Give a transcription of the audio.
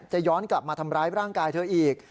ย้อนกลับมาทำร้ายร่างกายเธออีก